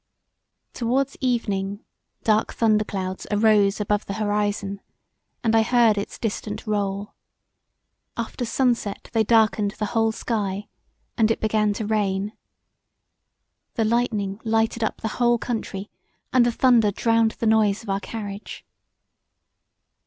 Towards evening dark thunder clouds arose above the horrizon and I heard its distant roll after sunset they darkened the whole sky and it began to rain[,] the lightning lighted up the whole country and the thunder drowned the noise of our carriage.